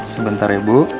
sebentar ya bu